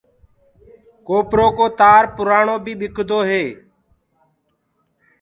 ڪوپرو ڪو تآر پُرآڻو بي ٻِڪدو هي۔